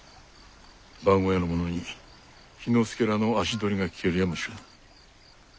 番小屋の者に氷ノ介らの足取りが聞けるやもしれぬ。